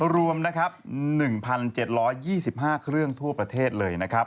รวม๑๗๒๕เครื่องทั่วประเทศเลย